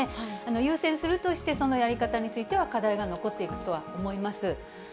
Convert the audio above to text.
優先するとして、そのやり方については課題が残っているとは思います。